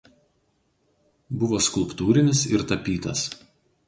Buvo skulptūrinis ir tapytas.